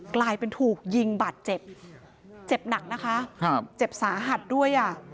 กลายเป็นถูกยิงบาดเจ็บเจ็บหนักนะคะครับเจ็บสาหัสด้วยอ่ะ